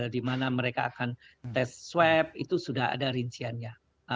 di mana mereka akan tes swab itu sudah ada rinciannya